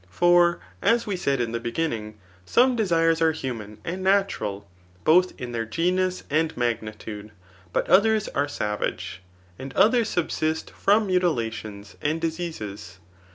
For, as we said in the beginning, some desires are human and natural, both in thdr genus and magnitude ^ but others are sa^ vage ; and others subsist from mutilations and diseases.